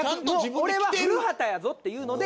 俺は古畑やぞっていうので。